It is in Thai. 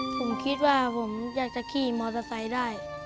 ผมคิดว่าผมอยากจะขี่มอเตอร์ไซค์ได้